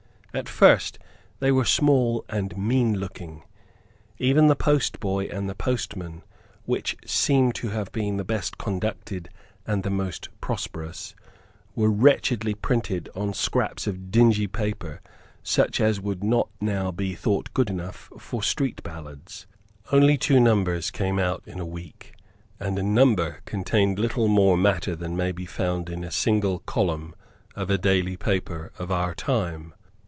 At first they were small and meanlooking. Even the Postboy and the Postman, which seem to have been the best conducted and the most prosperous, were wretchedly printed on scraps of dingy paper such as would not now be thought good enough for street ballads. Only two numbers came out in a week, and a number contained little more matter than may be found in a single column of a daily paper of our time.